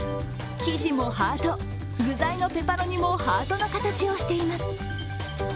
生地もハート、具材のペパロニもハートの形をしています。